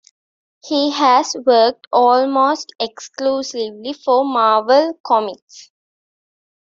He has worked almost exclusively for Marvel Comics.